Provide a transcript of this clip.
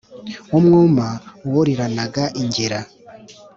Umwuma wuriranaga ingira